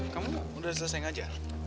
kamu udah selesai ngajar